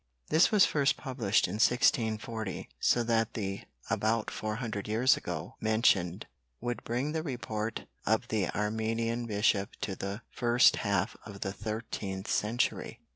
This was first published in 1640, so that the "about four hundred years ago" mentioned would bring the report of the Armenian Bishop to the first half of the thirteenth century.